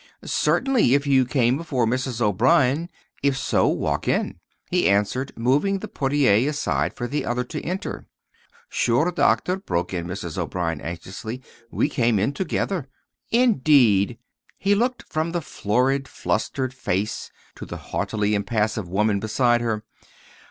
"Certainly, if you came before Mrs. O'Brien. If so, walk in," he answered, moving the portiere aside for the other to enter. "Sure, Doctor," broke in Mrs. O'Brien, anxiously, "we came in together." "Indeed!" He looked from the florid, flustered face to the haughtily impassive woman beside her.